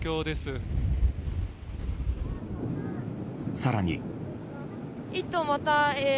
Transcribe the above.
更に。